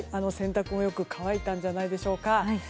洗濯もよく乾いたんじゃないでしょうか。